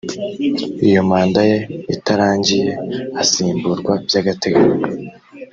iyo manda ye itarangiye asimburwa by’agateganyo